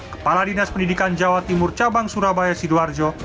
kepala dinas pendidikan jawa timur cabang surabaya sidoarjo